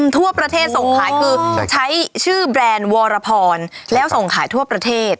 ทั่วประเทศส่งขายคือใช้ชื่อแบรนด์วรพรแล้วส่งขายทั่วประเทศ